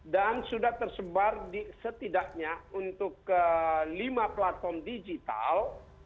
dan sudah tersebar setidaknya untuk lima platform digital